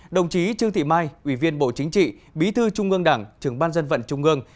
đồng chí trương thị mai ủy viên bộ chính trị bí thư trung ương đảng trưởng ban dân vận trung ương